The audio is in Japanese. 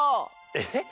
えっ？